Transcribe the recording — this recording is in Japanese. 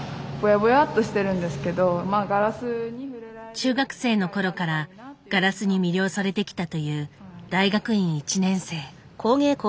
中学生の頃からガラスに魅了されてきたという大学院１年生。